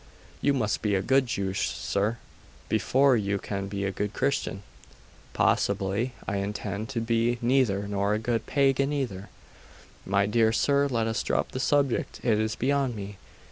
'You must be a good Jew, sir, before you can be a good Christian.' 'Possibly. I intend to be neither nor a good Pagan either. My dear sir, let us drop the subject. It is beyond me.